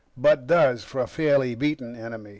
but does for a fairly beaten enemy.